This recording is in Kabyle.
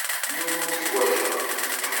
Yiwen ur t-uḥwaǧeɣ.